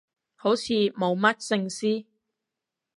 好似冇乜聖詩